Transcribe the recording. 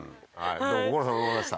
ご苦労さまでございました。